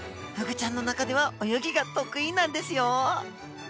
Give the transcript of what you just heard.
フグちゃんの中では泳ぎが得意なんですよ。